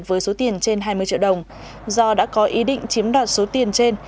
với số tiền trên hai mươi triệu đồng do đã có ý định chiếm đoạt số tiền trên